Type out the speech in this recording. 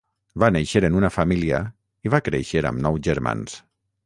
Va néixer en una família i va créixer amb nou germans.